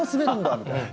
みたいな。